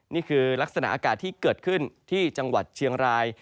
นี่คือลักษณะอากาศที่เกิดขึ้นที่จังหวัดเชียงราย